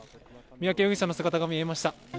三宅容疑者の姿が見えました。